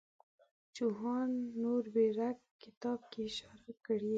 جوهان نوربیرګ کتاب کې اشاره کړې.